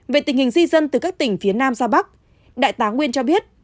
về tình hình di dân từ các tỉnh phía nam ra bắc đại tá nguyên cho biết